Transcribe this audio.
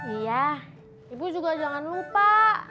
iya ibu juga jangan lupa